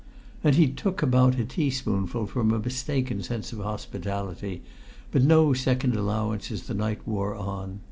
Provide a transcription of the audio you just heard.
And he took about a teaspoonful from a mistaken sense of hospitality, but no second allowance as the night wore on.